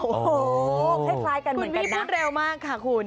ให้คล้ายกันเหมือนกันนะคุณวิทย์พูดเร็วมากค่ะคุณ